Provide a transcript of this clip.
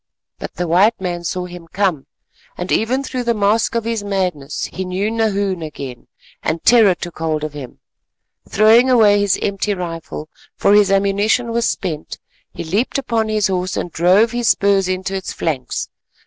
But the white man saw him come, and even through the mask of his madness he knew Nahoon again, and terror took hold of him. Throwing away his empty rifle, for his ammunition was spent, he leaped upon his horse and drove his spurs into its flanks.